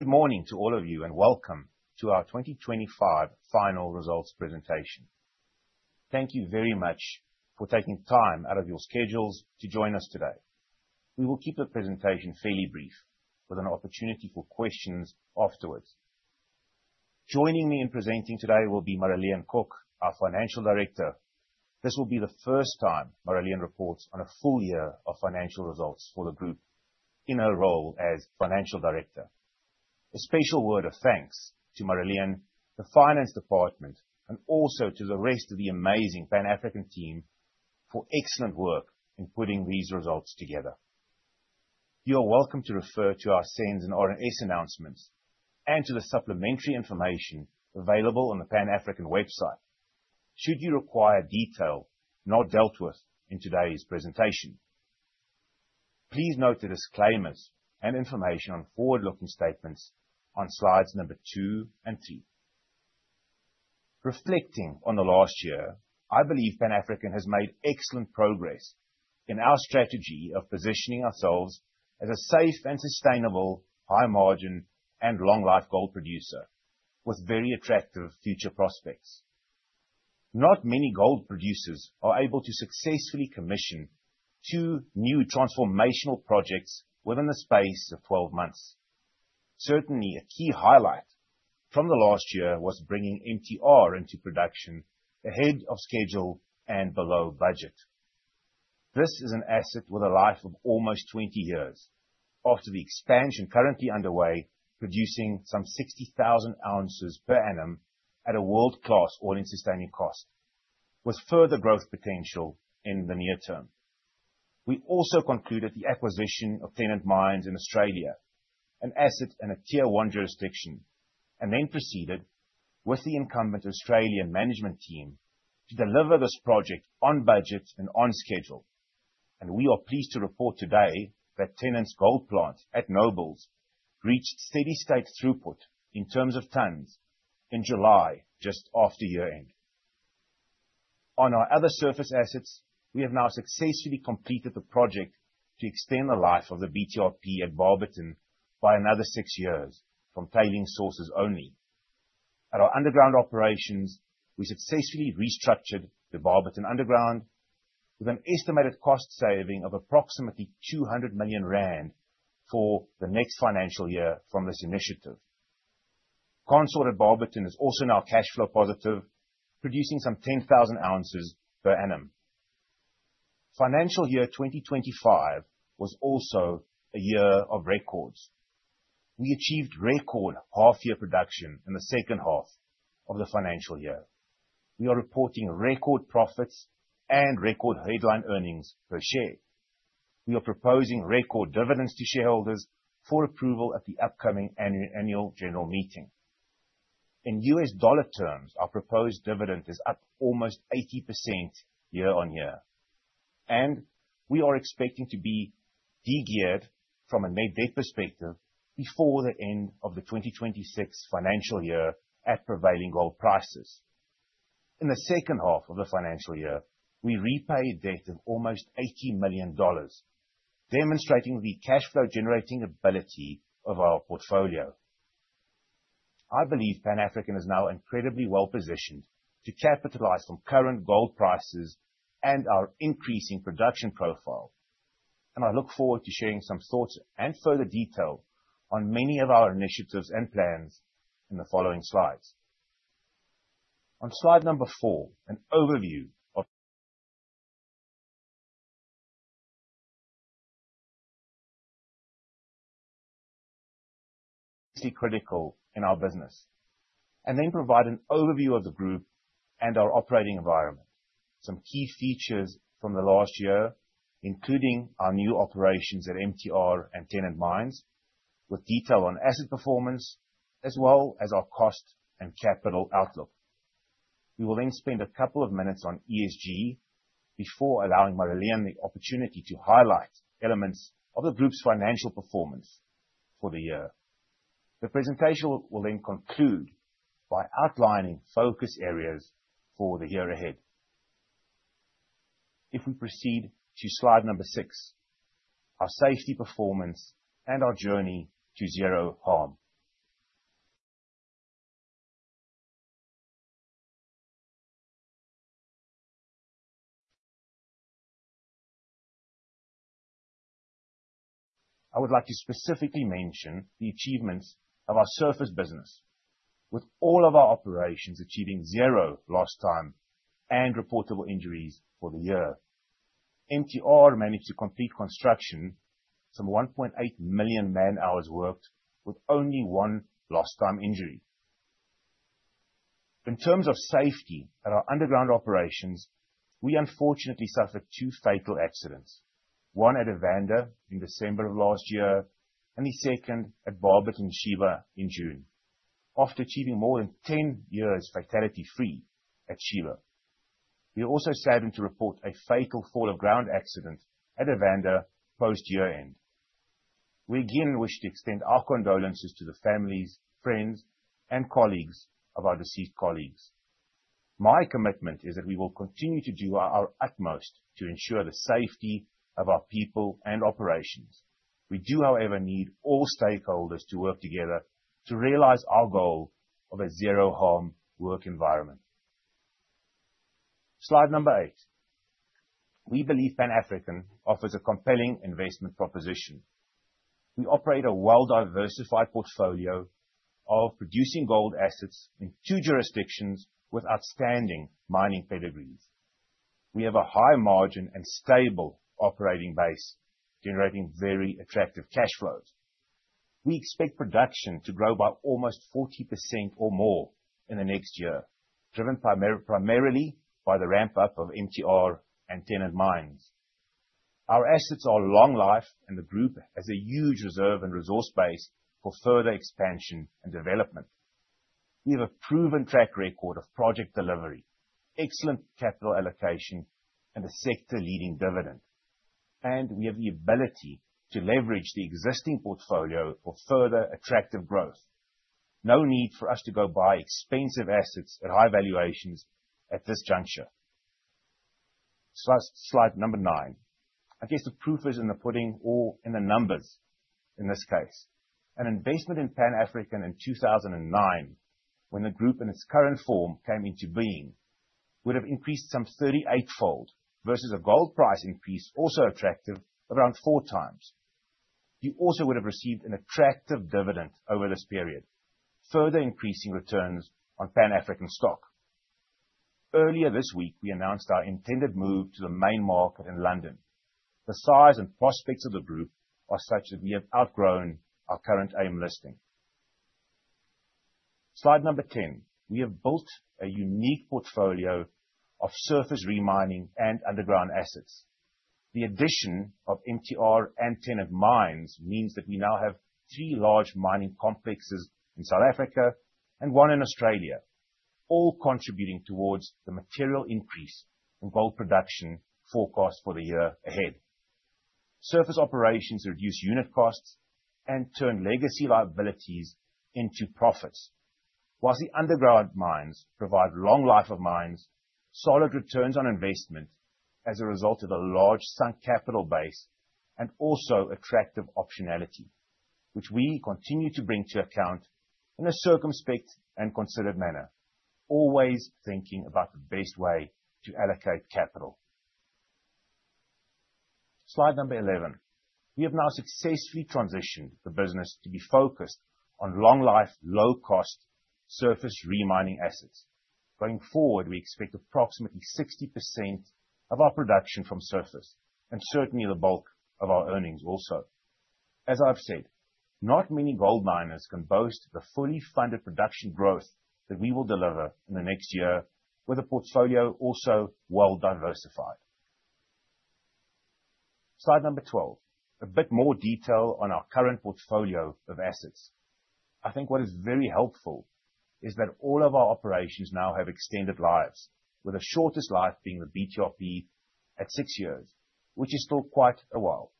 Good morning to all of you, and welcome to our 2025 final results presentation. Thank you very much for taking time out of your schedules to join us today. We will keep the presentation fairly brief, with an opportunity for questions afterwards. Joining me in presenting today will be Marileen Kok, our Financial Director. This will be the first time Marileen reports on a full year of financial results for the group in her role as Financial Director. A special word of thanks to Marileen, the Finance Department, and also to the rest of the amazing Pan African team for excellent work in putting these results together. You are welcome to refer to our SENS and RNS announcements and to the supplementary information available on the Pan African website should you require detail not dealt with in today's presentation. Please note the disclaimers and information on forward-looking statements on slides number two and three. Reflecting on the last year, I believe Pan African has made excellent progress in our strategy of positioning ourselves as a safe and sustainable high-margin and long-life gold producer with very attractive future prospects. Not many gold producers are able to successfully commission two new transformational projects within the space of 12 months. Certainly, a key highlight from the last year was bringing MTR into production ahead of schedule and below budget. This is an asset with a life of almost 20 years, after the expansion currently underway producing some 60,000 ounces per annum at a world-class all-in sustaining costs, with further growth potential in the near term. We also concluded the acquisition of Tennant Mines in Australia, an asset in a Tier 1 jurisdiction, and then proceeded with the incumbent Australian management team to deliver this project on budget and on schedule, and we are pleased to report today that Tennant's gold plant at Nobles Nob reached steady-state throughput in terms of tons in July just after year-end. On our other surface assets, we have now successfully completed the project to extend the life of the BTRP at Barberton by another six years from tailings sources only. At our underground operations, we successfully restructured the Barberton underground with an estimated cost saving of approximately 200 million rand for the next financial year from this initiative. Consort at Barberton is also now cash flow positive, producing some 10,000 ounces per annum. Financial year 2025 was also a year of records. We achieved record half-year production in the second half of the financial year. We are reporting record profits and record headline earnings per share. We are proposing record dividends to shareholders for approval at the upcoming annual general meeting. In U.S. dollar terms, our proposed dividend is up almost 80% year on year. We are expecting to be degeared from a net debt perspective before the end of the 2026 financial year at prevailing gold prices. In the second half of the financial year, we repaid debt of almost $80 million, demonstrating the cash flow generating ability of our portfolio. I believe Pan African is now incredibly well positioned to capitalize on current gold prices and our increasing production profile. I look forward to sharing some thoughts and further detail on many of our initiatives and plans in the following slides. On slide number four, an overview of critical factors in our business, and then provide an overview of the group and our operating environment, some key features from the last year, including our new operations at MTR and Tennant Mines, with detail on asset performance, as well as our cost and capital outlook. We will then spend a couple of minutes on ESG before allowing Marileen the opportunity to highlight elements of the group's financial performance for the year. The presentation will then conclude by outlining focus areas for the year ahead. If we proceed to slide number six, our safety performance and our journey to zero harm. I would like to specifically mention the achievements of our surface business, with all of our operations achieving zero lost time and reportable injuries for the year. MTR managed to complete construction, some 1.8 million man-hours worked, with only one lost time injury. In terms of safety at our underground operations, we unfortunately suffered two fatal accidents, one at Evander in December of last year and the second at Barberton Sheba in June, after achieving more than 10 years fatality-free at Sheba. We are also saddened to report a fatal fall-of-ground accident at Evander post-year-end. We again wish to extend our condolences to the families, friends, and colleagues of our deceased colleagues. My commitment is that we will continue to do our utmost to ensure the safety of our people and operations. We do, however, need all stakeholders to work together to realize our goal of a zero harm work environment. Slide number eight. We believe Pan African offers a compelling investment proposition. We operate a well-diversified portfolio of producing gold assets in two jurisdictions with outstanding mining pedigrees. We have a high margin and stable operating base, generating very attractive cash flows. We expect production to grow by almost 40% or more in the next year, driven primarily by the ramp-up of MTR and Tennant Mines. Our assets are long-life, and the group has a huge reserve and resource base for further expansion and development. We have a proven track record of project delivery, excellent capital allocation, and a sector-leading dividend, and we have the ability to leverage the existing portfolio for further attractive growth. No need for us to go buy expensive assets at high valuations at this juncture. Slide number nine. I guess the proof is in the pudding or in the numbers in this case. An investment in Pan African in 2009, when the group in its current form came into being, would have increased some 38-fold versus a gold price increase also attractive around four times. You also would have received an attractive dividend over this period, further increasing returns on Pan African stock. Earlier this week, we announced our intended move to the Main Market in London. The size and prospects of the group are such that we have outgrown our current AIM listing. Slide number 10. We have built a unique portfolio of surface remining and underground assets. The addition of MTR and Tennant Mines means that we now have three large mining complexes in South Africa and one in Australia, all contributing towards the material increase in gold production forecast for the year ahead. Surface operations reduce unit costs and turn legacy liabilities into profits. While the underground mines provide long life of mines, solid returns on investment as a result of a large sunk capital base and also attractive optionality, which we continue to bring to account in a circumspect and considered manner, always thinking about the best way to allocate capital. Slide number 11. We have now successfully transitioned the business to be focused on long-life, low-cost surface remining assets. Going forward, we expect approximately 60% of our production from surface, and certainly the bulk of our earnings also. As I've said, not many gold miners can boast the fully funded production growth that we will deliver in the next year with a portfolio also well-diversified. Slide number 12. A bit more detail on our current portfolio of assets. I think what is very helpful is that all of our operations now have extended lives, with the shortest life being the BTRP at six years, which is still quite a while.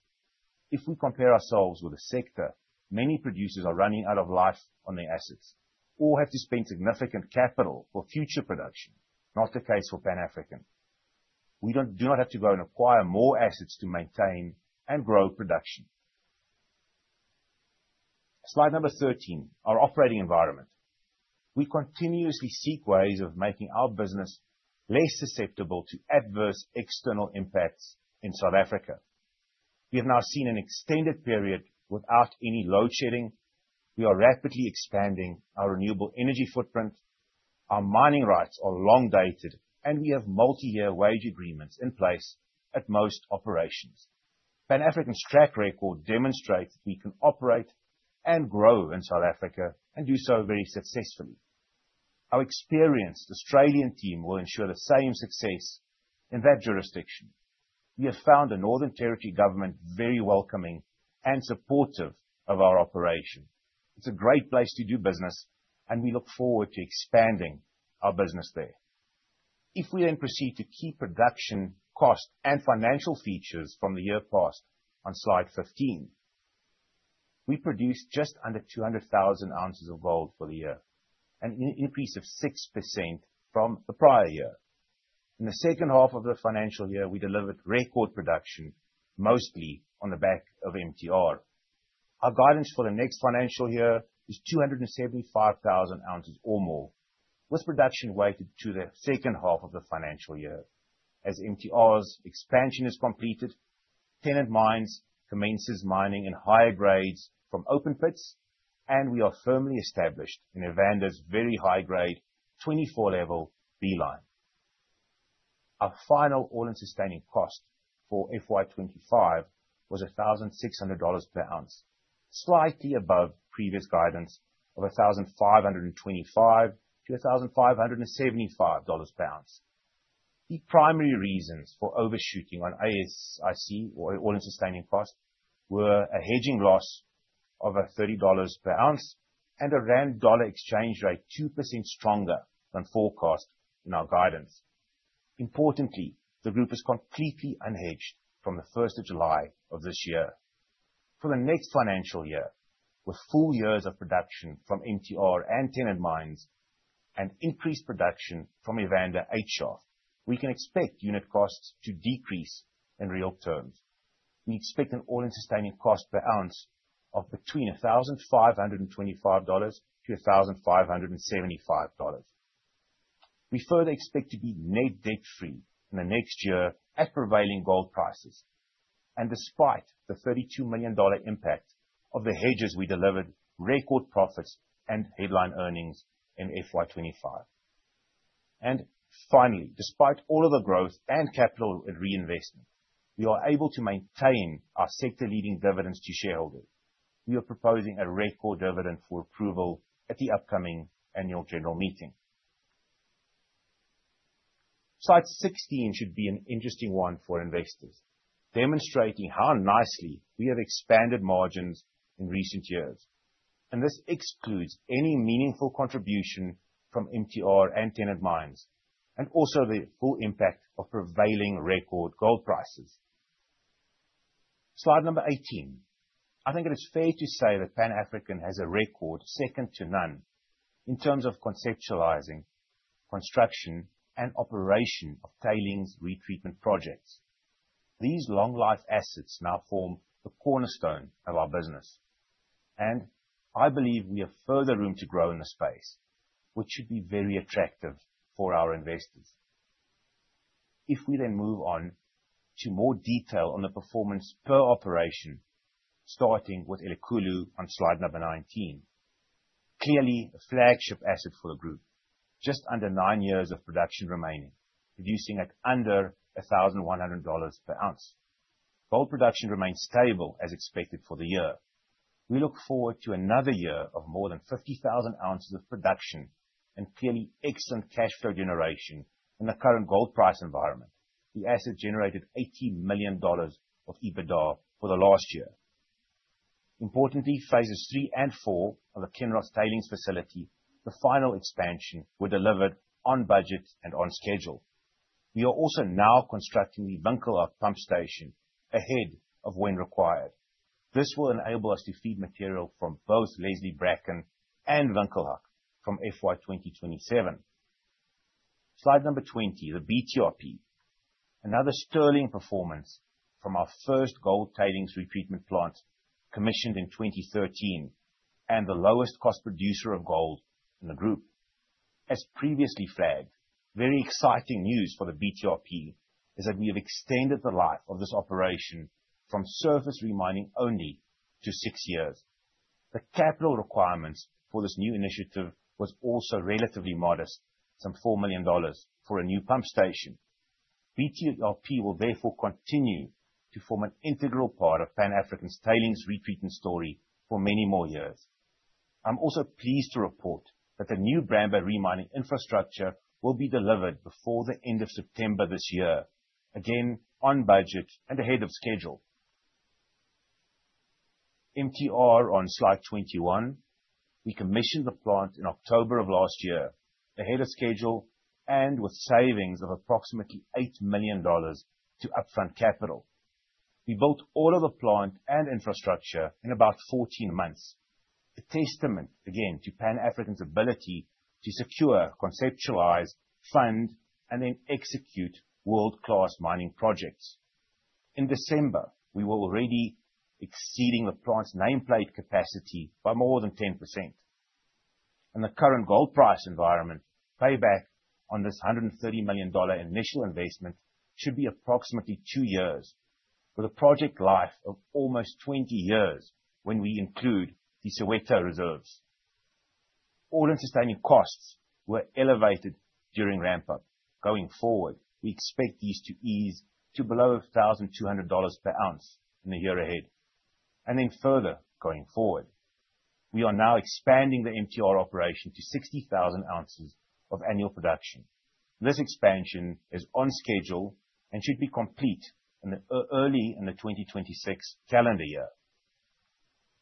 If we compare ourselves with the sector, many producers are running out of life on their assets or have to spend significant capital for future production, not the case for Pan African. We do not have to go and acquire more assets to maintain and grow production. Slide number 13. Our operating environment. We continuously seek ways of making our business less susceptible to adverse external impacts in South Africa. We have now seen an extended period without any load shedding. We are rapidly expanding our renewable energy footprint. Our mining rights are long-dated, and we have multi-year wage agreements in place at most operations. Pan African's track record demonstrates that we can operate and grow in South Africa and do so very successfully. Our experienced Australian team will ensure the same success in that jurisdiction. We have found the Northern Territory Government very welcoming and supportive of our operation. It's a great place to do business, and we look forward to expanding our business there. If we then proceed to key production cost and financial features from the year past, on slide 15, we produced just under 200,000 ounces of gold for the year, an increase of 6% from the prior year. In the second half of the financial year, we delivered record production, mostly on the back of MTR. Our guidance for the next financial year is 275,000 ounces or more, with production weighted to the second half of the financial year. As MTR's expansion is completed, Tennant Mines commences mining in higher grades from open pits, and we are firmly established in Evander's very high-grade, 24 Level decline. Our final all-in sustaining cost for FY25 was $1,600 per ounce, slightly above previous guidance of $1,525-$1,575 per ounce. The primary reasons for overshooting on AISC or all-in sustaining cost were a hedging loss of $30 per ounce and a rand-dollar exchange rate 2% stronger than forecast in our guidance. Importantly, the group is completely unhedged from the 1st of July of this year. For the next financial year, with full years of production from MTR and Tennant Mines and increased production from Evander 8 Shaft, we can expect unit costs to decrease in real terms. We expect an all-in sustaining cost per ounce of between $1,525-$1,575. We further expect to be net debt-free in the next year at prevailing gold prices, and despite the $32 million impact of the hedges, we delivered record profits and headline earnings in FY25, and finally, despite all of the growth and capital reinvestment, we are able to maintain our sector-leading dividends to shareholders. We are proposing a record dividend for approval at the upcoming annual general meeting. Slide 16 should be an interesting one for investors, demonstrating how nicely we have expanded margins in recent years, and this excludes any meaningful contribution from MTR and Tennant Mines, and also the full impact of prevailing record gold prices. Slide number 18. I think it is fair to say that Pan African has a record second to none in terms of conceptualizing, construction, and operation of tailings retreatment projects. These long-life assets now form the cornerstone of our business. I believe we have further room to grow in the space, which should be very attractive for our investors. If we then move on to more detail on the performance per operation, starting with Elikhulu on slide number 19, clearly a flagship asset for the group, just under nine years of production remaining, producing at under $1,100 per ounce. Gold production remains stable as expected for the year. We look forward to another year of more than 50,000 ounces of production and clearly excellent cash flow generation in the current gold price environment. The asset generated $80 million of EBITDA for the last year. Importantly, phases III and IV of the Kinross Tailings Facility, the final expansion, were delivered on budget and on schedule. We are also now constructing the Winkelhaak pump station ahead of when required. This will enable us to feed material from both Leslie, Bracken and Winkelhaak from FY2027. Slide number 20, the BTRP. Another sterling performance from our first gold tailings retreatment plant commissioned in 2013 and the lowest cost producer of gold in the group. As previously flagged, very exciting news for the BTRP is that we have extended the life of this operation from surface remining only to six years. The capital requirements for this new initiative were also relatively modest, some $4 million for a new pump station. BTRP will therefore continue to form an integral part of Pan African's tailings retreatment story for many more years. I'm also pleased to report that the new Bramber remining infrastructure will be delivered before the end of September this year, again on budget and ahead of schedule. MTR on slide 21. We commissioned the plant in October of last year ahead of schedule and with savings of approximately $8 million to upfront capital. We built all of the plant and infrastructure in about 14 months, a testament again to Pan African's ability to secure, conceptualize, fund, and then execute world-class mining projects. In December, we were already exceeding the plant's nameplate capacity by more than 10%. In the current gold price environment, payback on this $130 million initial investment should be approximately two years, with a project life of almost 20 years when we include the Soweto reserves. all-in sustaining costs were elevated during ramp-up. Going forward, we expect these to ease to below $1,200 per ounce in the year ahead. And then further going forward, we are now expanding the MTR operation to 60,000 ounces of annual production. This expansion is on schedule and should be complete early in the 2026 calendar year.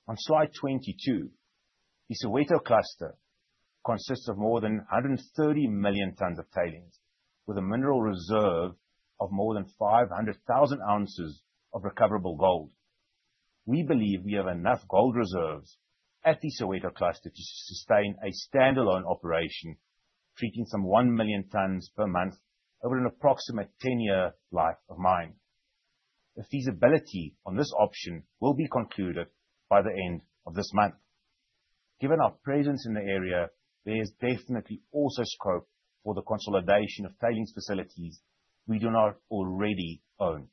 On slide 22, the Soweto Cluster consists of more than 130 million tons of tailings, with a mineral reserve of more than 500,000 ounces of recoverable gold. We believe we have enough gold reserves at the Soweto Cluster to sustain a standalone operation, treating some one million tons per month over an approximate 10-year life of mine. The feasibility on this option will be concluded by the end of this month. Given our presence in the area, there is definitely also scope for the consolidation of tailings facilities we do not already own.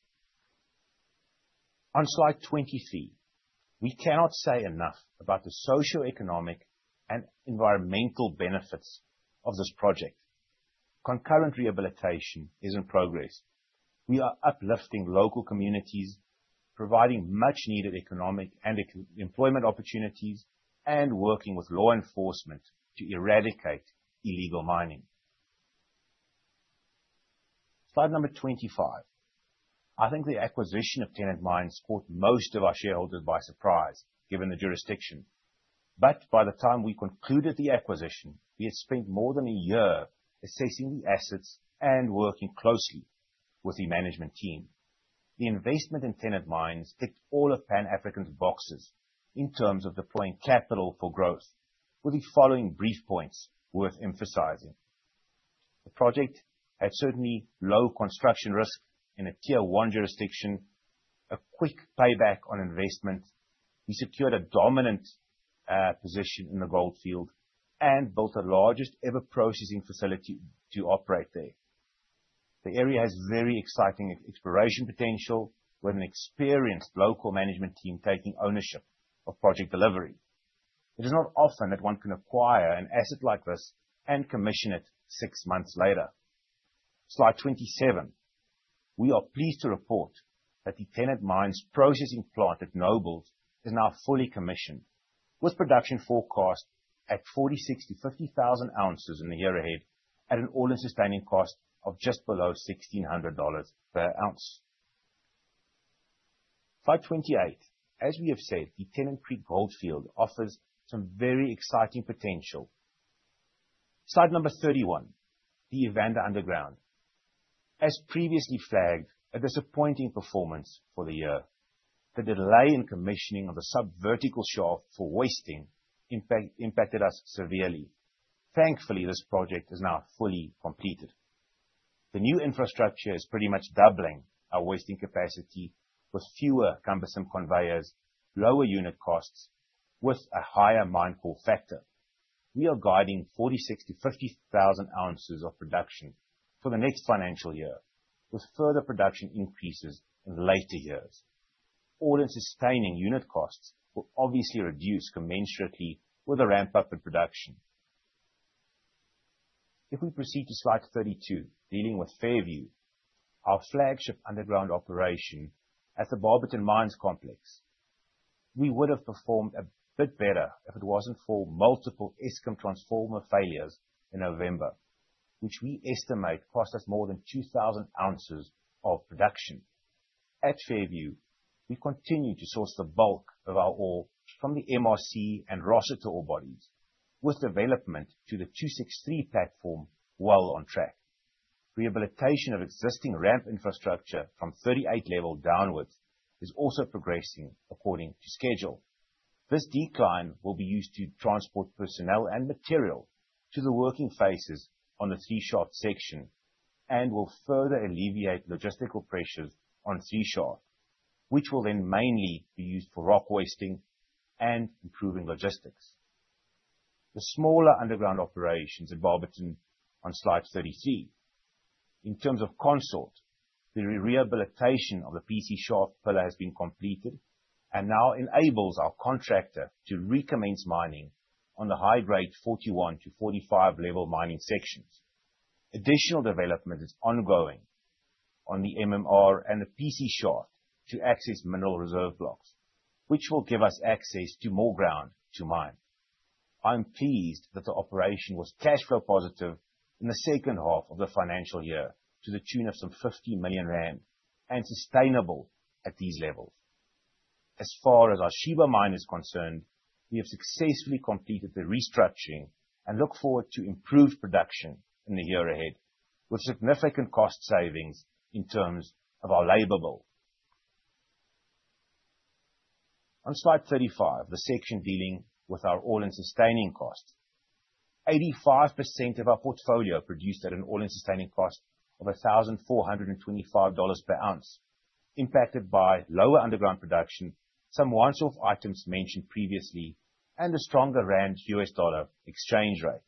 On slide 23, we cannot say enough about the socio-economic and environmental benefits of this project. Concurrent rehabilitation is in progress. We are uplifting local communities, providing much-needed economic and employment opportunities, and working with law enforcement to eradicate illegal mining. Slide number 25. I think the acquisition of Tennant Mines caught most of our shareholders by surprise, given the jurisdiction. But by the time we concluded the acquisition, we had spent more than a year assessing the assets and working closely with the management team. The investment in Tennant Mines ticked all of Pan African's boxes in terms of deploying capital for growth, with the following brief points worth emphasizing. The project had certainly low construction risk in a tier 1 jurisdiction, a quick payback on investment. We secured a dominant position in the gold field and built the largest ever processing facility to operate there. The area has very exciting exploration potential, with an experienced local management team taking ownership of project delivery. It is not often that one can acquire an asset like this and commission it six months later. Slide 27. We are pleased to report that the Tennant Mines processing plant at Nobles is now fully commissioned, with production forecast at 46,000-50,000 ounces in the year ahead at an all-in sustaining costs of just below $1,600 per ounce. Slide 28. As we have said, the Tennant Creek gold field offers some very exciting potential. Slide number 31, the Evander underground. As previously flagged, a disappointing performance for the year. The delay in commissioning of the subvertical shaft for hoisting impacted us severely. Thankfully, this project is now fully completed. The new infrastructure is pretty much doubling our hoisting capacity with fewer cumbersome conveyors, lower unit costs, with a higher Mine Call Factor. We are guiding 46,000-50,000 ounces of production for the next financial year, with further production increases in later years. all-in sustaining costs will obviously reduce commensurately with the ramp-up in production. If we proceed to slide 32, dealing with Fairview, our flagship underground operation at the Barberton Mines Complex, we would have performed a bit better if it wasn't for multiple Eskom transformer failures in November, which we estimate cost us more than 2,000 ounces of production. At Fairview, we continue to source the bulk of our ore from the MRC and Rossiter orebodies, with development to the 263 platform well on track. Rehabilitation of existing ramp infrastructure from 38 level downwards is also progressing according to schedule. This decline will be used to transport personnel and material to the working faces on the 3 Shaft section and will further alleviate logistical pressures on 3 Shaft, which will then mainly be used for rock hoisting and improving logistics. The smaller underground operations at Barberton on slide 33. In terms of Consort, the rehabilitation of the PC Shaft pillar has been completed and now enables our contractor to recommence mining on the high-grade 41-45 level mining sections. Additional development is ongoing on the MRC and the PC Shaft to access mineral reserve blocks, which will give us access to more ground to mine. I'm pleased that the operation was cash flow positive in the second half of the financial year to the tune of some 50 million rand and sustainable at these levels. As far as our Sheba Mine is concerned, we have successfully completed the restructuring and look forward to improved production in the year ahead with significant cost savings in terms of our labor bill. On slide 35, the section dealing with our all-in sustaining costs. 85% of our portfolio produced at an all-in sustaining costs of $1,425 per ounce, impacted by lower underground production, some one-off items mentioned previously, and a stronger rand U.S. dollar exchange rate.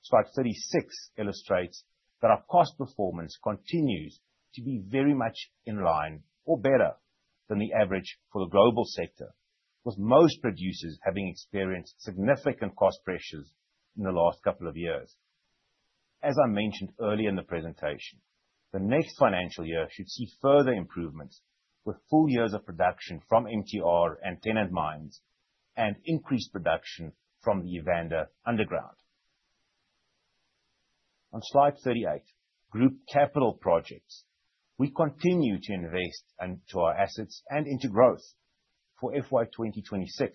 Slide 36 illustrates that our cost performance continues to be very much in line or better than the average for the global sector, with most producers having experienced significant cost pressures in the last couple of years. As I mentioned earlier in the presentation, the next financial year should see further improvements with full years of production from MTR and Tennant Mines and increased production from the Evander underground. On slide 38, group capital projects. We continue to invest into our assets and into growth. For FY2026,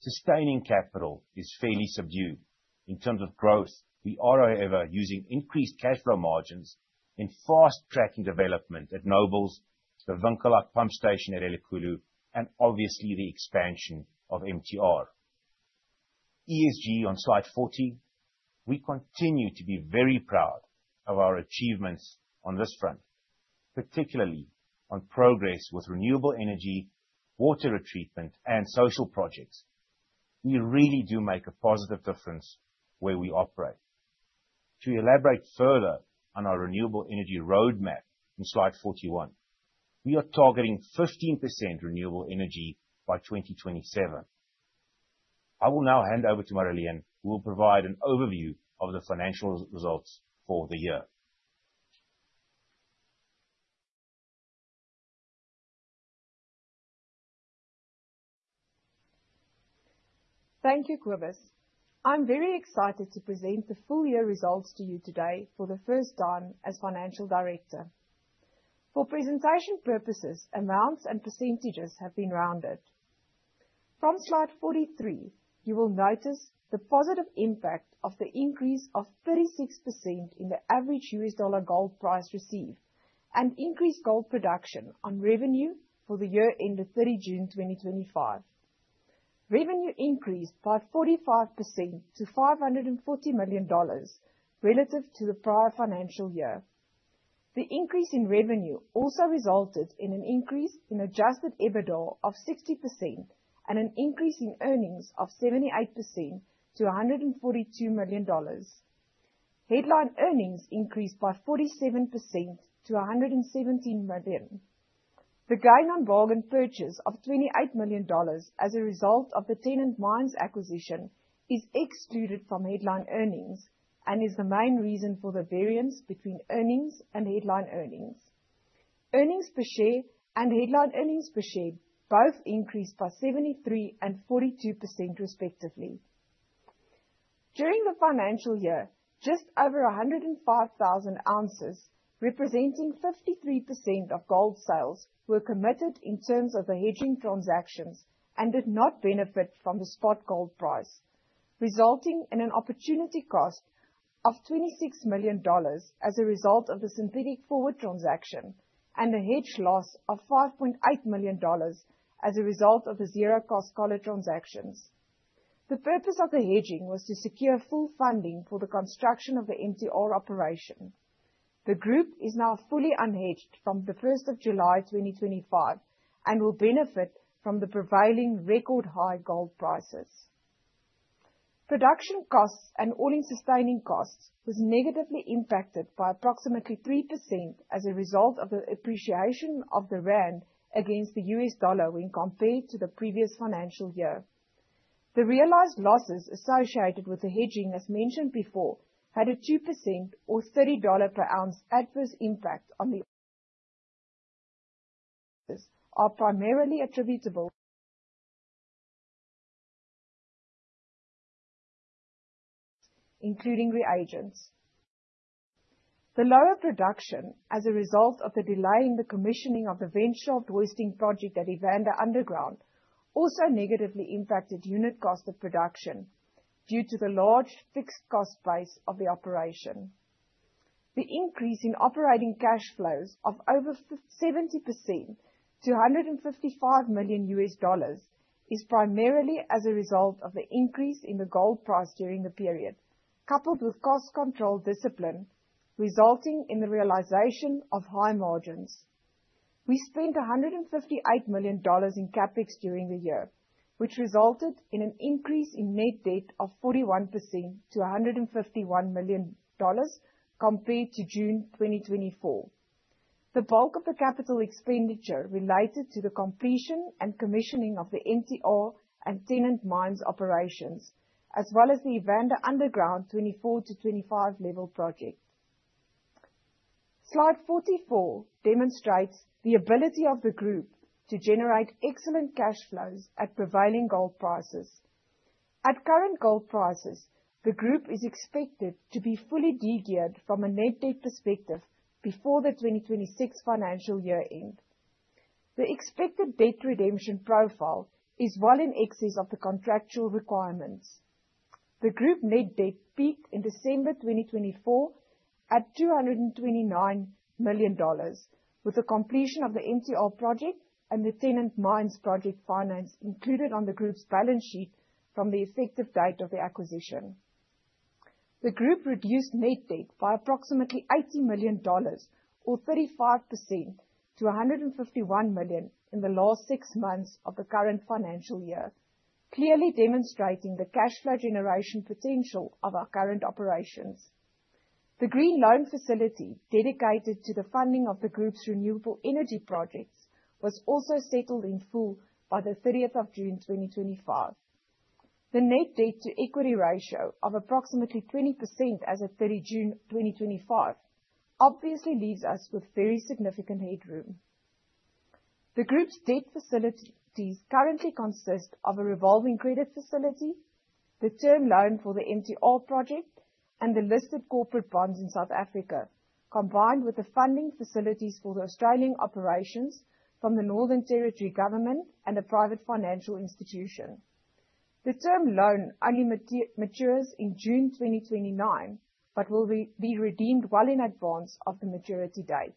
sustaining capital is fairly subdued. In terms of growth, we are, however, using increased cash flow margins in fast-tracking development at Nobles, the Winkelhaak pump station at Elikhulu, and obviously the expansion of MTR. ESG on slide 40. We continue to be very proud of our achievements on this front, particularly on progress with renewable energy, water retreatment, and social projects. We really do make a positive difference where we operate. To elaborate further on our renewable energy roadmap in slide 41, we are targeting 15% renewable energy by 2027. I will now hand over to Marileen, who will provide an overview of the financial results for the year. Thank you, Cobus. I'm very excited to present the full year results to you today for the first time as Financial Director. For presentation purposes, amounts and percentages have been rounded. From slide 43, you will notice the positive impact of the increase of 36% in the average U.S. dollar gold price received and increased gold production on revenue for the year ended 30 June 2025. Revenue increased by 45% to $540 million relative to the prior financial year. The increase in revenue also resulted in an increase in Adjusted EBITDA of 60% and an increase in earnings of 78% to $142 million. Headline earnings increased by 47% to $117 million. The gain on bargain purchase of $28 million as a result of the Tennant Mines acquisition is excluded from headline earnings and is the main reason for the variance between earnings and headline earnings. Earnings per share and headline earnings per share both increased by 73% and 42% respectively. During the financial year, just over 105,000 ounces, representing 53% of gold sales, were committed in terms of the hedging transactions and did not benefit from the spot gold price, resulting in an opportunity cost of $26 million as a result of the synthetic forward transaction and a hedge loss of $5.8 million as a result of the zero-cost collar transactions. The purpose of the hedging was to secure full funding for the construction of the MTR operation. The group is now fully unhedged from the 1st of July 2025 and will benefit from the prevailing record high gold prices. Production costs and all-in sustaining costs were negatively impacted by approximately 3% as a result of the appreciation of the rand against the U.S. dollar when compared to the previous financial year. The realized losses associated with the hedging, as mentioned before, had a 2% or $30 per ounce adverse impact on the assets, primarily attributable, including reagents. The lower production as a result of the delay in the commissioning of the vent shaft hoisting project at Evander underground also negatively impacted unit cost of production due to the large fixed cost base of the operation. The increase in operating cash flows of over 70% to $155 million U.S. dollars is primarily as a result of the increase in the gold price during the period, coupled with cost control discipline, resulting in the realization of high margins. We spent $158 million in CapEx during the year, which resulted in an increase in net debt of 41% to $151 million compared to June 2024. The bulk of the capital expenditure related to the completion and commissioning of the MTR and Tennant Mines operations, as well as the Evander underground 24-25-level project. Slide 44 demonstrates the ability of the group to generate excellent cash flows at prevailing gold prices. At current gold prices, the group is expected to be fully degeared from a net debt perspective before the 2026 financial year end. The expected debt redemption profile is well in excess of the contractual requirements. The group net debt peaked in December 2024 at $229 million, with the completion of the MTR project and the Tennant Mines project finance included on the group's balance sheet from the effective date of the acquisition. The group reduced net debt by approximately $80 million or 35% to $151 million in the last six months of the current financial year, clearly demonstrating the cash flow generation potential of our current operations. The green loan facility dedicated to the funding of the group's renewable energy projects was also settled in full by the 30th of June 2025. The net debt to equity ratio of approximately 20% as of 30 June 2025 obviously leaves us with very significant headroom. The group's debt facilities currently consist of a revolving credit facility, the term loan for the MTR project, and the listed corporate bonds in South Africa, combined with the funding facilities for the Australian operations from the Northern Territory Government and a private financial institution. The term loan only matures in June 2029, but will be redeemed well in advance of the maturity date.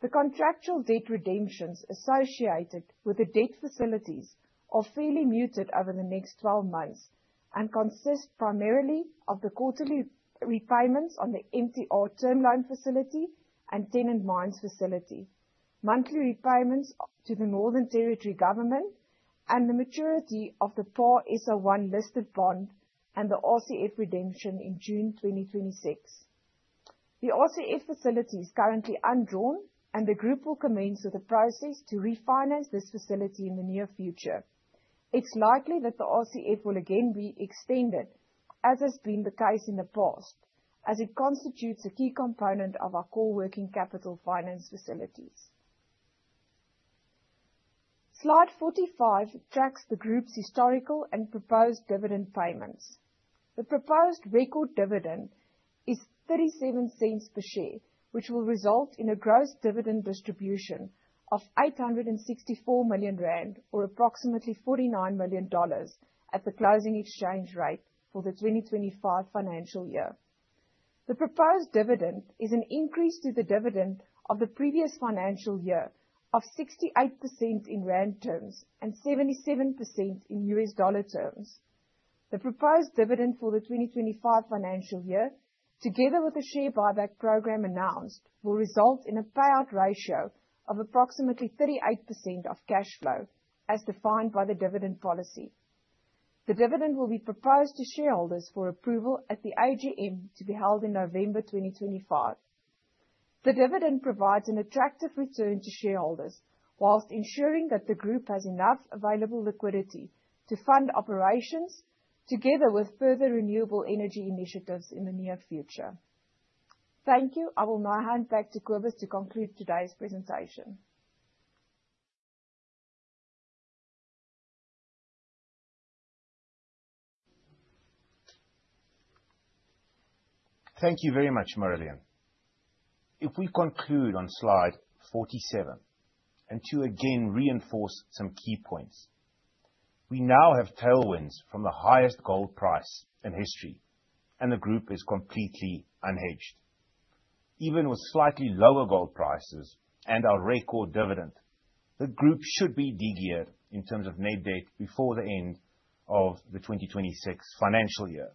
The contractual debt redemptions associated with the debt facilities are fairly muted over the next 12 months and consist primarily of the quarterly repayments on the MTR term loan facility and Tennant Mines facility, monthly repayments to the Northern Territory Government, and the maturity of the PARS01 listed bond and the RCF redemption in June 2026. The RCF facility is currently undrawn, and the group will commence with the process to refinance this facility in the near future. It's likely that the RCF will again be extended, as has been the case in the past, as it constitutes a key component of our core working capital finance facilities. Slide 45 tracks the group's historical and proposed dividend payments. The proposed record dividend is $0.37 per share, which will result in a gross dividend distribution of 864 million rand or approximately $49 million at the closing exchange rate for the 2025 financial year. The proposed dividend is an increase to the dividend of the previous financial year of 68% in rand terms and 77% in U.S. dollar terms. The proposed dividend for the 2025 financial year, together with the share buyback program announced, will result in a payout ratio of approximately 38% of cash flow, as defined by the dividend policy. The dividend will be proposed to shareholders for approval at the AGM to be held in November 2025. The dividend provides an attractive return to shareholders while ensuring that the group has enough available liquidity to fund operations together with further renewable energy initiatives in the near future. Thank you. I will now hand back to Cobus to conclude today's presentation. Thank you very much, Marileen. If we conclude on slide 47 and to again reinforce some key points, we now have tailwinds from the highest gold price in history, and the group is completely unhedged. Even with slightly lower gold prices and our record dividend, the group should be degeared in terms of net debt before the end of the 2026 financial year.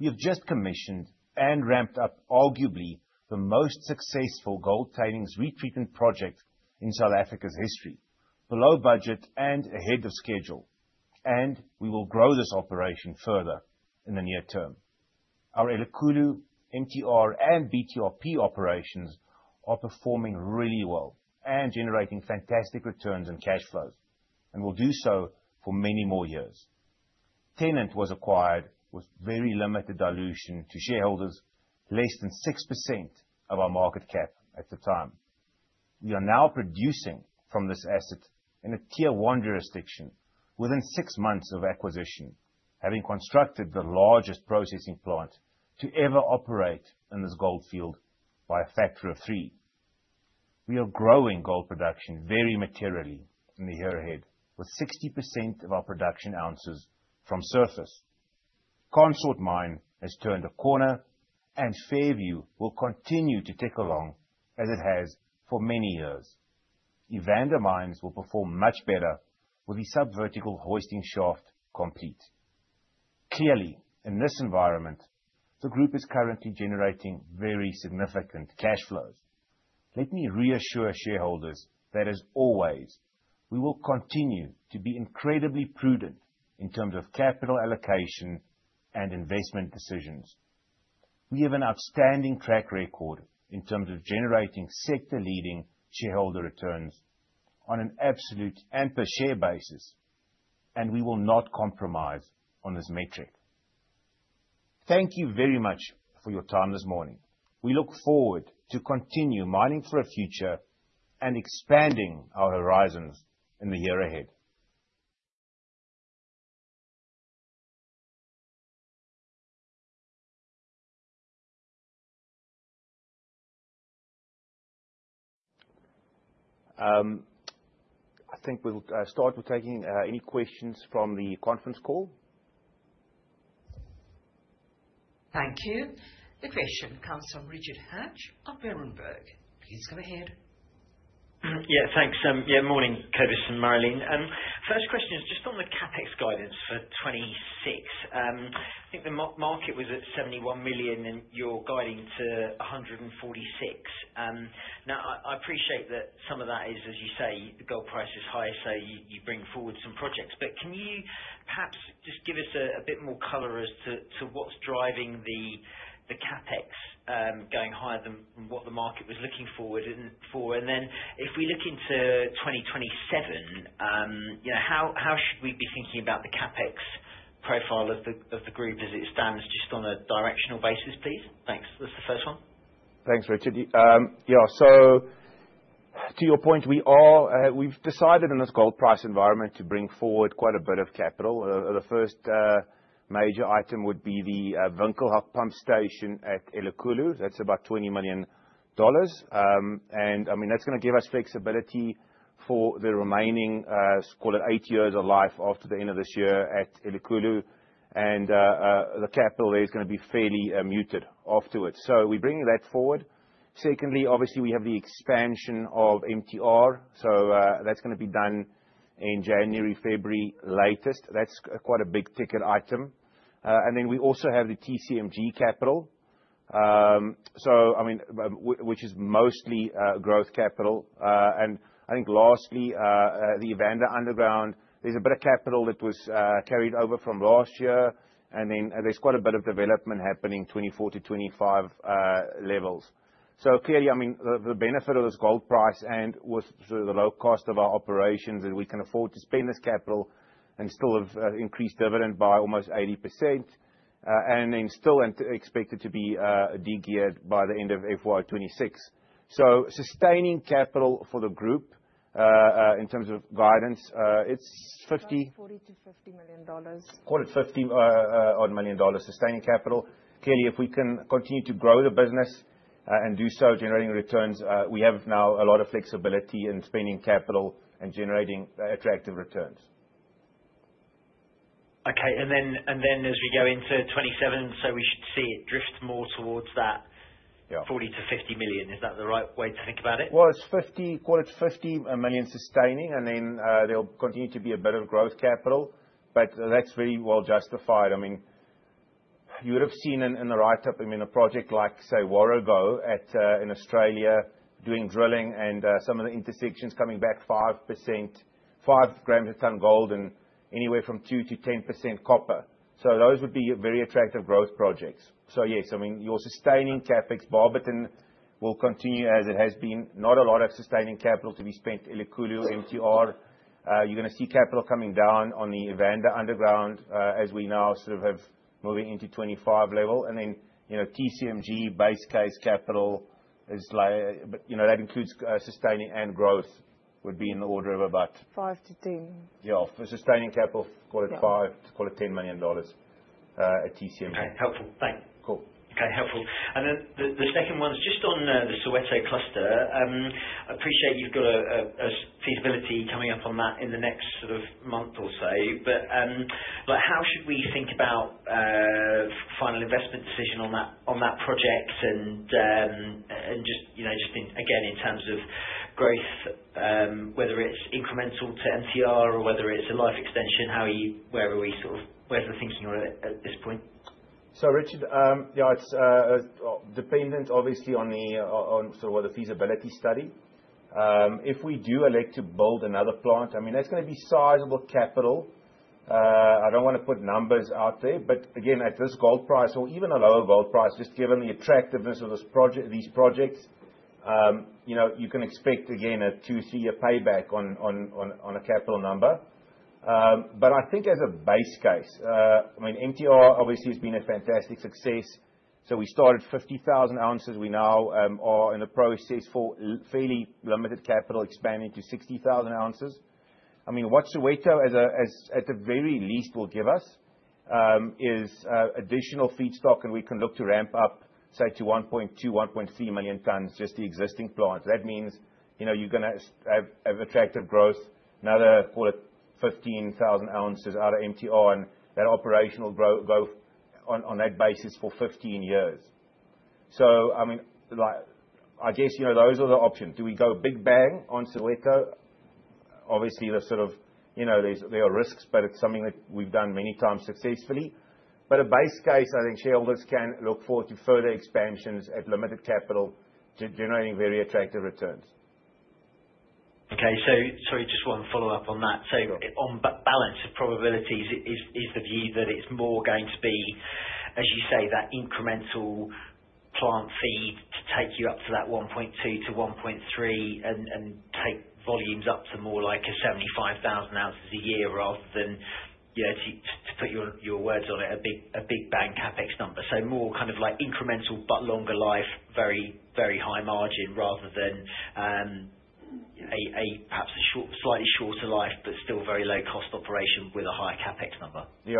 We have just commissioned and ramped up arguably the most successful gold tailings retreatment project in South Africa's history, below budget and ahead of schedule, and we will grow this operation further in the near term. Our Elikhulu, MTR, and BTRP operations are performing really well and generating fantastic returns and cash flows, and will do so for many more years. Tennant was acquired with very limited dilution to shareholders less than 6% of our market cap at the time. We are now producing from this asset in a Tier 1 jurisdiction within six months of acquisition, having constructed the largest processing plant to ever operate in this gold field by a factor of three. We are growing gold production very materially in the year ahead with 60% of our production ounces from surface. Consort Mine has turned a corner, and Fairview will continue to tick along as it has for many years. Evander Mines will perform much better with the subvertical hoisting shaft complete. Clearly, in this environment, the group is currently generating very significant cash flows. Let me reassure shareholders that, as always, we will continue to be incredibly prudent in terms of capital allocation and investment decisions. We have an outstanding track record in terms of generating sector-leading shareholder returns on an absolute and per-share basis, and we will not compromise on this metric. Thank you very much for your time this morning. We look forward to continuing mining for the future and expanding our horizons in the year ahead. I think we'll start with taking any questions from the conference call. Thank you. The question comes from Richard Hatch of Berenberg. Please go ahead. Yeah, thanks. Yeah, morning, Cobus and Marileen. First question is just on the CapEx guidance for 2026. I think the market was at $71 million, and you're guiding to $146 million. Now, I appreciate that some of that is, as you say, the gold price is higher, so you bring forward some projects. But can you perhaps just give us a bit more color as to what's driving the CapEx going higher than what the market was looking forward for? And then if we look into 2027, how should we be thinking about the CapEx profile of the group as it stands just on a directional basis, please? Thanks. That's the first one. Thanks, Richard. Yeah, so to your point, we've decided in this gold price environment to bring forward quite a bit of capital. The first major item would be the Winkelhaak pump station at Elikhulu. That's about $20 million. And I mean, that's going to give us flexibility for the remaining eight years of life after the end of this year at Elikhulu. And the capital there is going to be fairly muted afterwards. So we're bringing that forward. Secondly, obviously, we have the expansion of MTR. So that's going to be done in January, February, latest. That's quite a big ticket item. And then we also have the TCMG capital, which is mostly growth capital. And I think lastly, the Evander Underground, there's a bit of capital that was carried over from last year. And then there's quite a bit of development happening 24-25 levels. So clearly, I mean, the benefit of this gold price and with the low cost of our operations is we can afford to spend this capital and still have increased dividend by almost 80% and then still expect it to be degeared by the end of FY26. So sustaining capital for the group in terms of guidance- It's $40-$50 million. Quoted $50 million. Sustaining capital. Clearly, if we can continue to grow the business and do so, generating returns, we have now a lot of flexibility in spending capital and generating attractive returns. Okay. Then as we go into 2027, so we should see it drift more towards that $40-$50 million. Is that the right way to think about it? Well, it is $50 million sustaining, and then there will continue to be a bit of growth capital. But that is very well justified. I mean, you would have seen in the write-up. I mean, a project like, say, Warrego in Australia doing drilling and some of the intersections coming back 5%, 5 grams a ton gold and anywhere from 2%-10% copper. So those would be very attractive growth projects. So yes, I mean, your sustaining CapEx, Barberton will continue as it has been. Not a lot of sustaining capital to be spent Elikhulu, MTR. You're going to see capital coming down on the Evander underground as we now sort of have moving into 25 level. And then TCMG base case capital is like, but that includes sustaining and growth would be in the order of about- $5-$10. Yeah, for sustaining capital, quoted $5-$10 million at TCMG. Okay, helpful. Thank you. Cool. Okay, helpful. And then the second one is just on the Soweto Cluster. I appreciate you've got a feasibility coming up on that in the next sort of month or so. But how should we think about final investment decision on that project? And just again, in terms of growth, whether it's incremental to MTR or whether it's a life extension, where are we sort of, where's the thinking at this point? So Richard, yeah, it's dependent obviously on sort of the feasibility study. If we do elect to build another plant, I mean, that's going to be sizable capital. I don't want to put numbers out there. But again, at this gold price or even a lower gold price, just given the attractiveness of these projects, you can expect again a two, three-year payback on a capital number. But I think as a base case, I mean, MTR obviously has been a fantastic success. So we started 50,000 ounces. We now are in the process for fairly limited capital expanding to 60,000 ounces. I mean, what Soweto, at the very least, will give us is additional feedstock, and we can look to ramp up, say, to 1.2, 1.3 million tons just the existing plant. That means you're going to have attractive growth, another quoted 15,000 ounces out of MTR, and that operational growth on that basis for 15 years. So I mean, I guess those are the options. Do we go big bang on Soweto? Obviously, there's sort of, there are risks, but it's something that we've done many times successfully. But a base case, I think shareholders can look forward to further expansions at limited capital generating very attractive returns. Okay. So sorry, just one follow-up on that. So on balance of probabilities, is the view that it's more going to be, as you say, that incremental plant feed to take you up to that 1.2-1.3 and take volumes up to more like 75,000 ounces a year rather than, to put your words on it, a big bang CapEx number? So more kind of like incremental but longer life, very high margin rather than a perhaps slightly shorter life but still very low-cost operation with a high CapEx number. Yeah.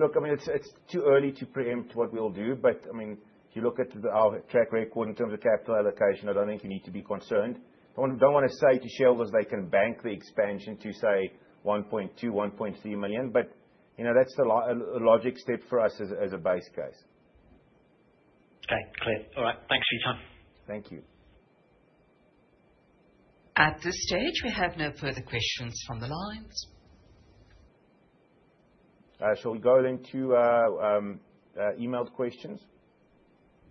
Look, I mean, it's too early to preempt what we'll do. But I mean, if you look at our track record in terms of capital allocation, I don't think you need to be concerned. I don't want to say to shareholders they can bank the expansion to, say, 1.2-1.3 million, but that's the logic step for us as a base case. Okay. Clear. All right. Thanks for your time. Thank you. At this stage, we have no further questions from the lines. Shall we go then to emailed questions?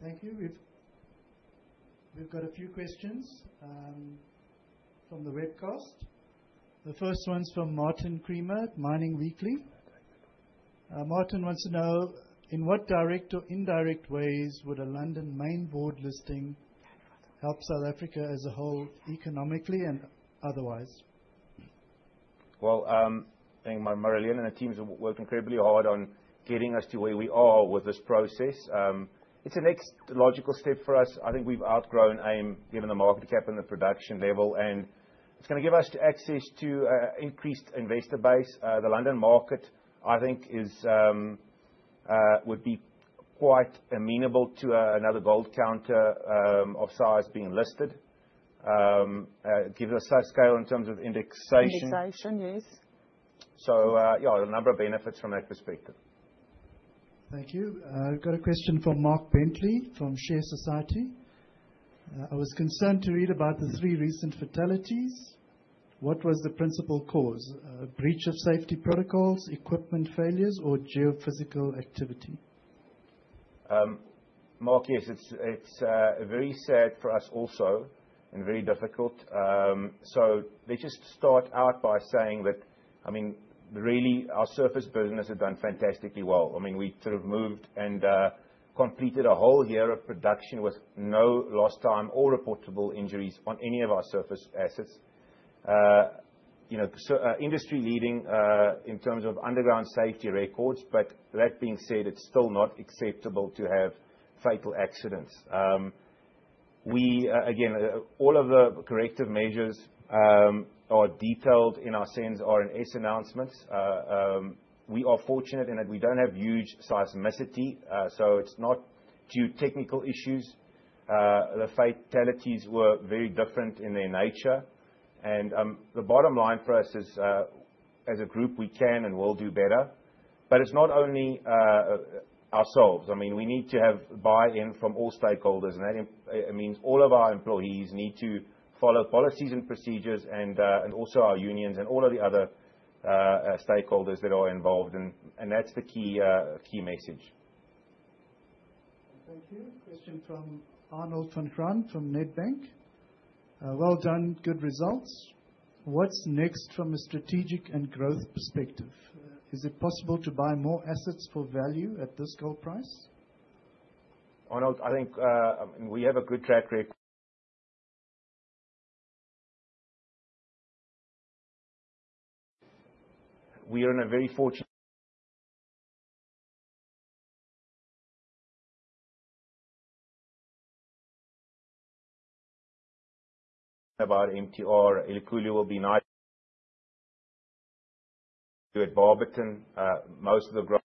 Thank you. We've got a few questions from the webcast. The first one's from Martin Creamer, Mining Weekly. Martin wants to know, in what direct or indirect ways would a London main board listing help South Africa as a whole economically and otherwise? Well, Marileen and the teams have worked incredibly hard on getting us to where we are with this process. It's a next logical step for us. I think we've outgrown AIM given the market cap and the production level, and it's going to give us access to an increased investor base. The London market, I think, would be quite amenable to another gold counter of size being listed. It gives us a scale in terms of indexation. Indexation, yes. So yeah, a number of benefits from that perspective. Thank you. I've got a question from Mark Bentley from Share Society. I was concerned to read about the three recent fatalities. What was the principal cause? Breach of safety protocols, equipment failures, or geophysical activity? Mark, yes, it's very sad for us also and very difficult. So they just start out by saying that, I mean, really, our surface business has done fantastically well. I mean, we sort of moved and completed a whole year of production with no lost time or reportable injuries on any of our surface assets. Industry-leading in terms of underground safety records, but that being said, it's still not acceptable to have fatal accidents. Again, all of the corrective measures are detailed in our SENS and RNS announcements. We are fortunate in that we don't have huge seismicity, so it's not due to technical issues. The fatalities were very different in their nature. And the bottom line for us is, as a group, we can and will do better. But it's not only ourselves. I mean, we need to have buy-in from all stakeholders, and that means all of our employees need to follow policies and procedures and also our unions and all of the other stakeholders that are involved. And that's the key message. Thank you. Question from Arnold Van Graan from Nedbank. Well done, good results. What's next from a strategic and growth perspective? Is it possible to buy more assets for value at this gold price? Arnold, I think we have a good track record. We are in a very fortunate about MTR. Elikhulu will be nice to at Barberton most of the growth.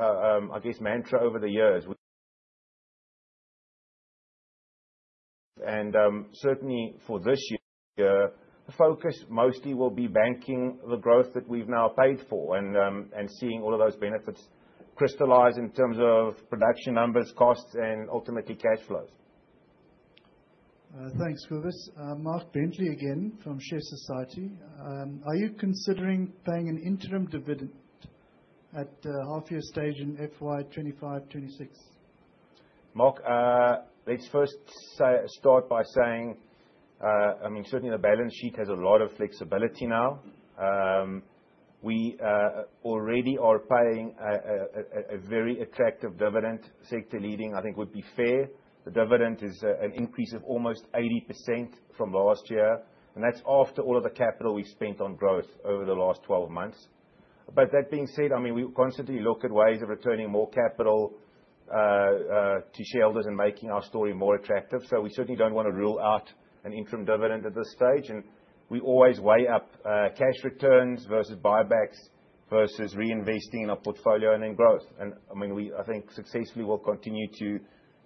I guess mantra over the years. And certainly for this year, the focus mostly will be banking the growth that we've now paid for and seeing all of those benefits crystallize in terms of production numbers, costs, and ultimately cash flows. Thanks, Cobus. Mark Bentley again from Share Society. Are you considering paying an interim dividend at half-year stage in FY25, FY26? Mark, let's first start by saying, I mean, certainly the balance sheet has a lot of flexibility now. We already are paying a very attractive dividend. Sector-leading, I think, would be fair. The dividend is an increase of almost 80% from last year. And that's after all of the capital we've spent on growth over the last 12 months. But that being said, I mean, we constantly look at ways of returning more capital to shareholders and making our story more attractive. So we certainly don't want to rule out an interim dividend at this stage. And we always weigh up cash returns versus buybacks versus reinvesting in our portfolio and in growth. And I mean, I think successfully we'll continue to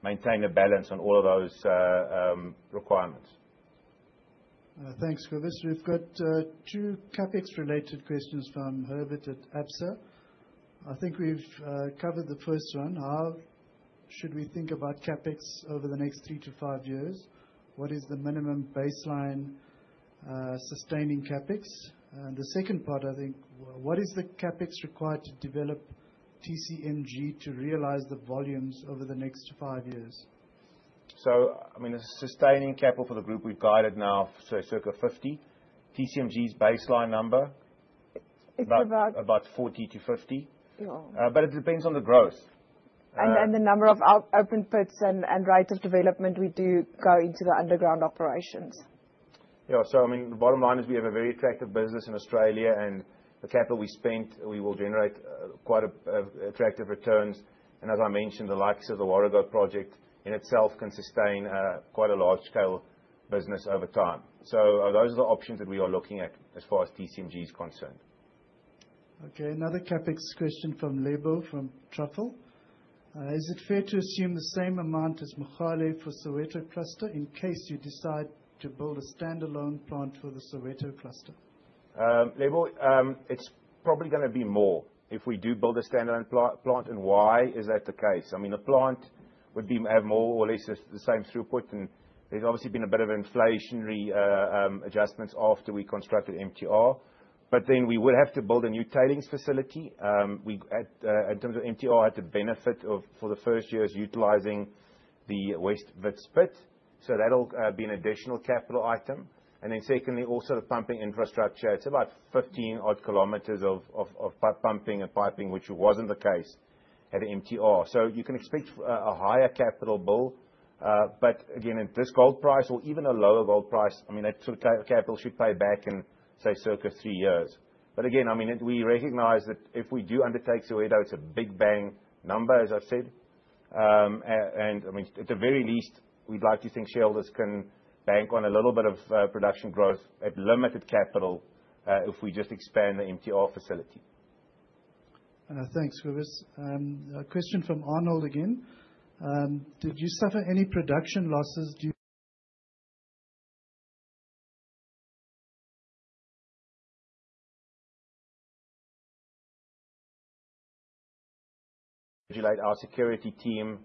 maintain a balance on all of those requirements. Thanks, Cobus. We've got two CapEx-related questions from Herbert at Absa. I think we've covered the first one. How should we think about CapEx over the next three to five years? What is the minimum baseline sustaining CapEx? And the second part, I think, what is the CapEx required to develop TCMG to realize the volumes over the next five years? So I mean, the sustaining capital for the group we've guided now, so circa 50. TCMG's baseline number. It's about 40-50. But it depends on the growth. And the number of open pits and rate of development we do go into the underground operations. Yeah. So I mean, the bottom line is we have a very attractive business in Australia, and the capital we spent, we will generate quite attractive returns. As I mentioned, the likes of the Warrego project in itself can sustain quite a large-scale business over time. So those are the options that we are looking at as far as TCMG is concerned. Okay. Another CapEx question from Lebo from Truffle. Is it fair to assume the same amount as Mogale for Soweto Cluster in case you decide to build a standalone plant for the Soweto Cluster? Lebo, it's probably going to be more if we do build a standalone plant. And why is that the case? I mean, the plant would have more or less the same throughput. And there's obviously been a bit of inflationary adjustments after we constructed MTR. But then we would have to build a new tailings facility. In terms of MTR, it had to benefit for the first year is utilizing the West Wits pit. So that'll be an additional capital item. And then secondly, also the pumping infrastructure. It's about 15-odd km of pumping and piping, which wasn't the case at MTR. So you can expect a higher capital bill. But again, at this gold price or even a lower gold price, I mean, that sort of capital should pay back in, say, circa three years. But again, I mean, we recognize that if we do undertake Soweto, it's a big bang number, as I've said. And I mean, at the very least, we'd like to think shareholders can bank on a little bit of production growth at limited capital if we just expand the MTR facility. Thanks, Cobus. Question from Arnold again. Did you suffer any production losses? Our security team.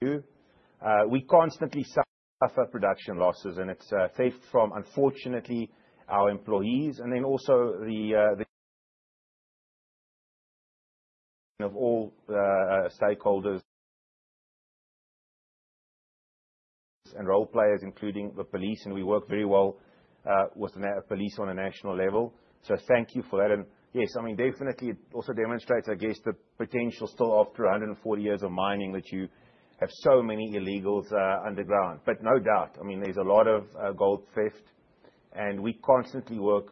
We constantly suffer production losses, and it's sad for, unfortunately, our employees and then also for all stakeholders and role players, including the police, and we work very well with the police on a national level. So thank you for that, and yes, I mean, definitely it also demonstrates, I guess, the potential still after 140 years of mining that you have so many illegals underground. But no doubt, I mean, there's a lot of gold theft, and we constantly work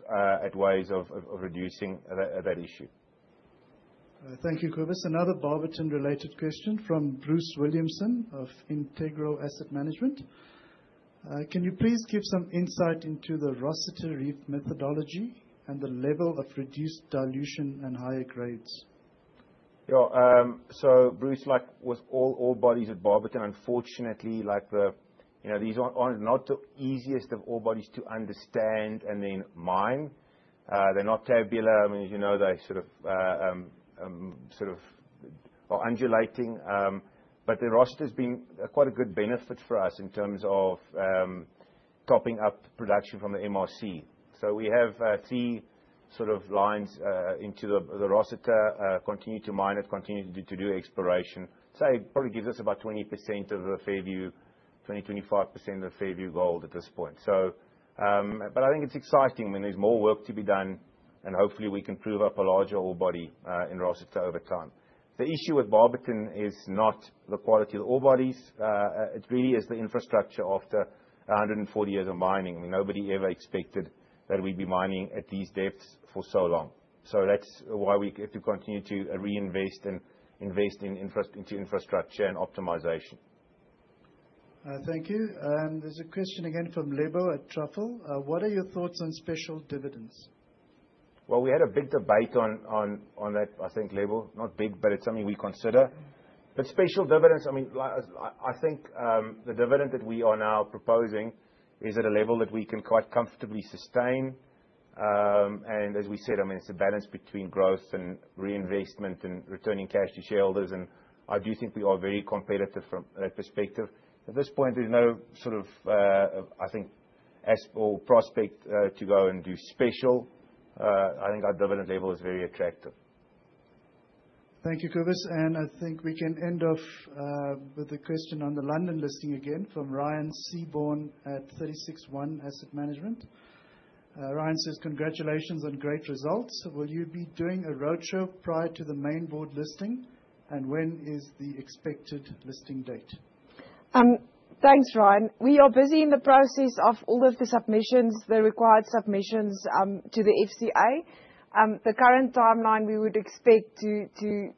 at ways of reducing that issue. Thank you, Cobus. Another Barberton-related question from Bruce Williamson of Integral Asset Management. Can you please give some insight into the Rossiter Reef methodology and the level of reduced dilution and higher grades? Yeah. So Bruce, like with all bodies at Barberton, unfortunately, these aren't the easiest of all bodies to understand and then mine. They're not tabular. I mean, as you know, they sort of are undulating. But the Rossiter has been quite a good benefit for us in terms of topping up production from the MRC. So we have three sort of lines into the Rossiter, continue to mine it, continue to do exploration. So it probably gives us about 20% of the Fairview, 20-25% of Fairview gold at this point. But I think it's exciting when there's more work to be done, and hopefully we can prove up a larger ore body in Rossiter over time. The issue with Barberton is not the quality of ore bodies. It really is the infrastructure after 140 years of mining. I mean, nobody ever expected that we'd be mining at these depths for so long. So that's why we have to continue to reinvest and invest into infrastructure and optimization. Thank you. There's a question again from Lebo at Truffle. What are your thoughts on special dividends? Well, we had a big debate on that, I think, Lebo. Not big, but it's something we consider. But special dividends, I mean, I think the dividend that we are now proposing is at a level that we can quite comfortably sustain. And as we said, I mean, it's a balance between growth and reinvestment and returning cash to shareholders. And I do think we are very competitive from that perspective. At this point, there's no sort of, I think, or prospect to go and do special. I think our dividend level is very attractive. Thank you, Cobus. And I think we can end off with a question on the London listing again from Ryan Seaborne at 36ONE Asset Management. Ryan says, "Congratulations on great results. Will you be doing a roadshow prior to the Main Board listing? And when is the expected listing date? Thanks, Ryan. We are busy in the process of all of the submissions, the required submissions to the FCA. The current timeline, we would expect to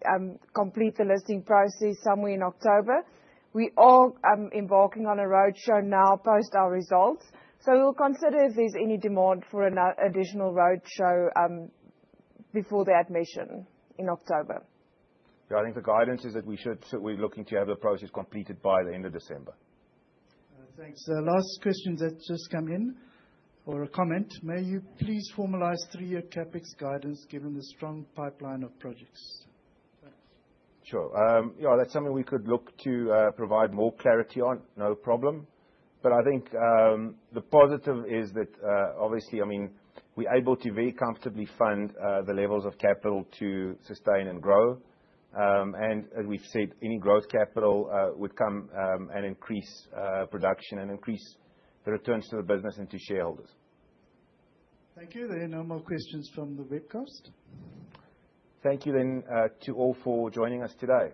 complete the listing process somewhere in October. We are embarking on a roadshow now post our results. So we'll consider if there's any demand for an additional roadshow before the admission in October. Yeah, I think the guidance is that we should be looking to have the process completed by the end of December. Thanks. Last question that just came in or a comment. May you please formalize three-year CapEx guidance given the strong pipeline of projects? Sure. Yeah, that's something we could look to provide more clarity on. No problem. But I think the positive is that obviously, I mean, we're able to very comfortably fund the levels of capital to sustain and grow. And as we've said, any growth capital would come and increase production and increase the returns to the business and to shareholders. Thank you. There are no more questions from the webcast. Thank you then to all for joining us today.